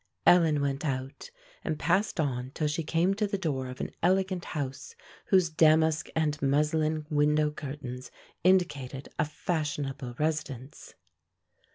Ellen went out, and passed on till she came to the door of an elegant house, whose damask and muslin window curtains indicated a fashionable residence.